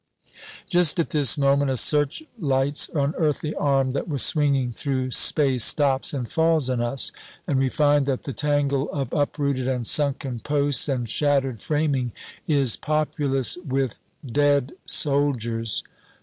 Just at this moment, a searchlight's unearthly arm that was swinging through space stops and falls on us, and we find that the tangle of uprooted and sunken posts and shattered framing is populous with dead soldiers.